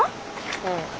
うん。